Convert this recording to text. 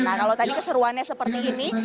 nah kalau tadi keseruannya seperti ini